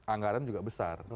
anggaran juga besar